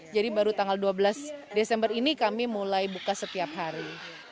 jadi baru tanggal dua belas desember ini kami mulai buka setiap hari